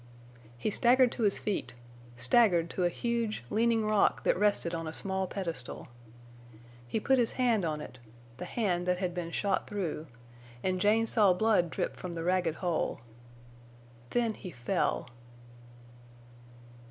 He staggered to his feet—staggered to a huge, leaning rock that rested on a small pedestal. He put his hand on it—the hand that had been shot through—and Jane saw blood drip from the ragged hole. Then he fell.